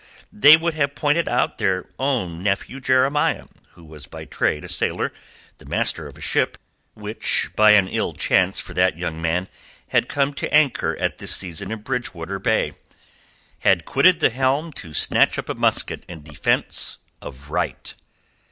They would have pointed out that their own nephew Jeremiah, who was by trade a sailor, the master of a ship which by an ill chance for that young man had come to anchor at this season in Bridgewater Bay had quitted the helm to snatch up a musket in defence of Right.